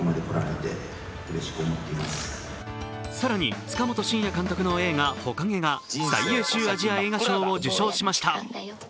更に、塚本晋也監督の映画「ほかげ」が最優秀アジア映画賞を受賞しました。